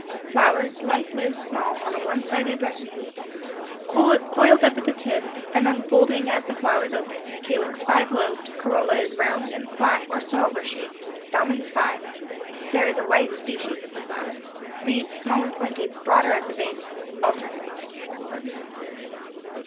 Flowers — light blue, small, on a one sided raceme, coiled up at the tip and unfolding as the flowers open — calyx five lobed — corolla is round and flat, or salver shaped — stamens five — there is a white species of the flower. Leaves — small and pointed — broader at the base — alternate.